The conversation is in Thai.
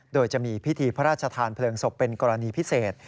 โดยจะมีพิธีพระราชทานเพลิงศพเป็นกรณีพิเศษ